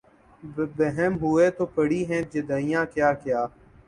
بہم ہوئے تو پڑی ہیں جدائیاں کیا کیا